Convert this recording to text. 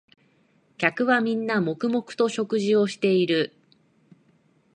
客はみんな黙々と食事をしている